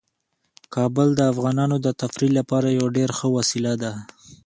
کابل د افغانانو د تفریح لپاره یوه ډیره ښه وسیله ده.